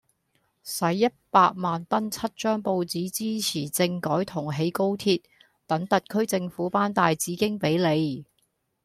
洗一百萬登七張報紙支持政改同起高鐵，等特區政府頒大紫荊比你。